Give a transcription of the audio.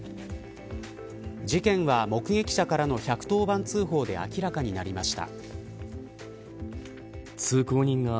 事件は目撃者からの１１０番通報で明らかになりました。